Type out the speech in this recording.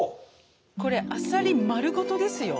これあさり丸ごとですよ。